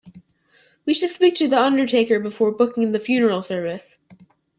We should speak to the undertaker before booking the funeral service